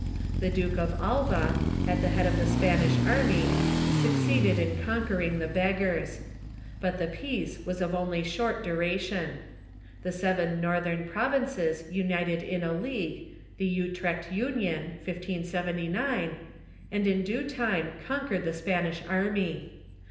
The Duke of Alva, at the head of the Spanish army, succeeded in conquering the Beggars. But the peace Avas of only short duration. The seven northern provinces united in a league, the Utrecht Union (1579), and in due time conquered the Spanish army.